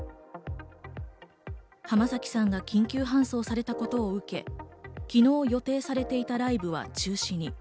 浜崎さんが緊急搬送されたことを受け、昨日予定されていたライブは中止に。